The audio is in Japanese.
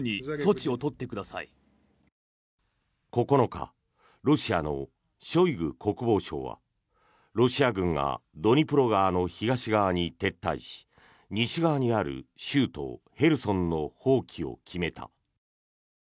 ９日ロシアのショイグ国防相はロシア軍がドニプロ川の東側に撤退し西側にある州都ヘルソンの放棄を決めた。